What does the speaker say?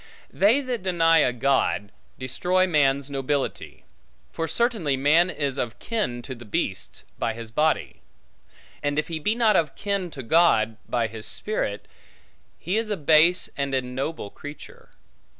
They that deny a God, destroy man's nobility; for certainly man is of kin to the beasts, by his body; and, if he be not of kin to God, by his spirit, he is a base and ignoble creature.